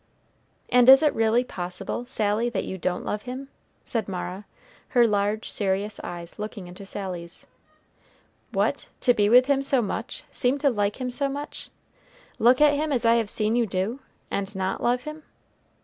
"And is it really possible, Sally, that you don't love him?" said Mara, her large, serious eyes looking into Sally's. "What! be with him so much, seem to like him so much, look at him as I have seen you do, and not love him!"